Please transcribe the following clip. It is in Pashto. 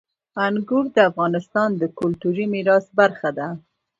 انګور د افغانستان د کلتوري میراث برخه ده.